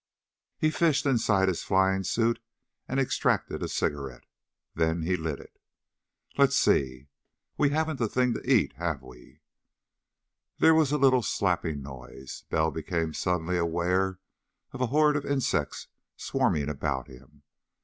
He fished inside his flying suit and extracted a cigarette. Then he lit it. "Let's see.... We haven't a thing to eat, have we?" There was a little slapping noise. Bell became suddenly aware of a horde of insects swarming around him.